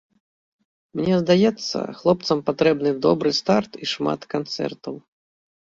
Мне здаецца, хлопцам патрэбны добры старт і шмат канцэртаў.